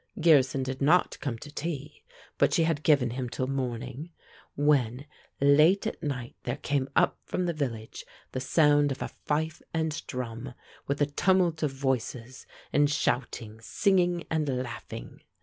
Gearson did not come to tea, but she had given him till morning, when, late at night there came up from the village the sound of a fife and drum with a tumult of voices, in shouting, singing, and laughing.